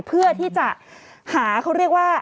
เพื่อที่จะหาเขาเรียกว่า